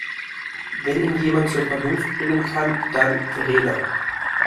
Wenn ihn jemand zur Vernunft bringen kann, dann Verena.